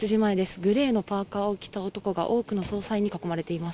グレーのパーカを着た男が、多くの捜査員に囲まれています。